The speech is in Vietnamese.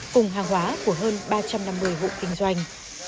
cùng hàng hóa của hơn ba trăm năm mươi hộ kinh doanh